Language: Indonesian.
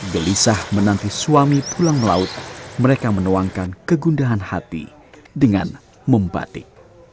gelisah menanti suami pulang melaut mereka menuangkan kegundahan hati dengan membatik